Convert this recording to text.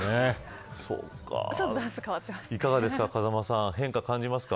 いかがですか。